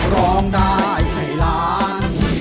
ร้องได้ให้ล้าน